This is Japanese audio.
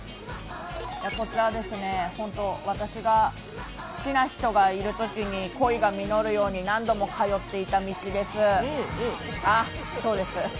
こちら、私が好きな人がいるときに、恋が実るように、何度も通っていた道です。